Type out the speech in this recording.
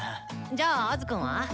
じゃあアズくんは？